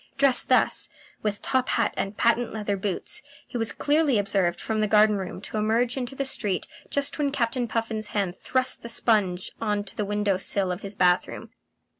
Dressed thus, with top hat and patent leather boots, he was clearly observed from the garden room to emerge into the street just when Captain Puffin's hand thrust the sponge on to the window sill of his bath room.